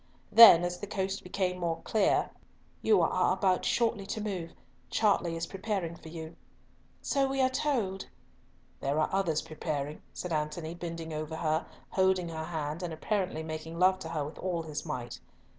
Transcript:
Then, as the coast became more clear, "You are about shortly to move. Chartley is preparing for you." "So we are told." "There are others preparing," said Antony, bending over her, holding her hand, and apparently making love to her with all his might.